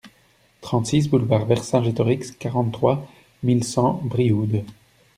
trente-six boulevard Vercingétorix, quarante-trois mille cent Brioude